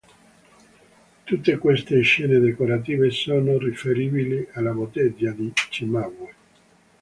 Tutte queste scene decorative sono riferibili alla bottega di Cimabue.